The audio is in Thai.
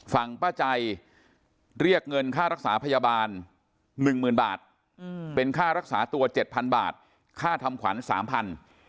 ฝั่งป้าจัยเรียกเงินค่ารักษาพยาบาลหนึ่งหมื่นบาทเป็นค่ารักษาตัวเจ็ดพันบาทค่าทำขวัญสามพัน